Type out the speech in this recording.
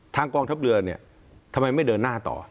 กองทัพเรือเนี่ยทำไมไม่เดินหน้าต่อ